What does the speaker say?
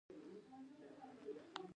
ډاکټر ته تګ شرم نه دی۔